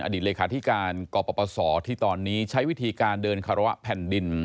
เลขาธิการกปศที่ตอนนี้ใช้วิธีการเดินคารวะแผ่นดิน